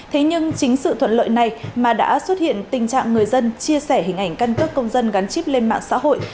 thế nhưng chính sự thuận lợi này mà đã xuất hiện tình trạng người dân chia sẻ hình ảnh căn cước công dân gắn chip lên mạng xã hội